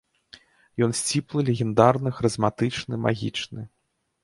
Ён сціплы, легендарны, харызматычны, магічны.